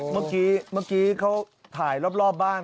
เมื่อกี้เขาถ่ายรอบบ้าน